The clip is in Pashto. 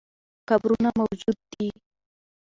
قبرونه موجود دي.